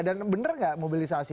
dan benar gak mobilisasi